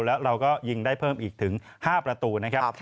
แล้วเราก็ยิงได้เพิ่มอีกถึง๕ประตูนะครับ